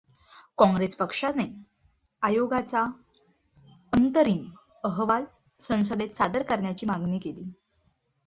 काँग्रेस पक्षाने आयोगाचा अंतरिम अहवाल संसदेत सादर करण्याची मागणी केली.